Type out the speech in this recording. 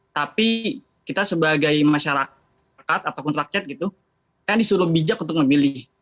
tapi kita sebagai masyarakat ataupun rakyat gitu kan disuruh bijak untuk memilih